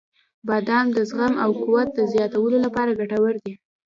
• بادام د زغم او قوت د زیاتولو لپاره ګټور دی.